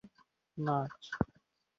তার অনুবাদ করা উপন্যাস হচ্ছে 'অরণ্যের ডাক'।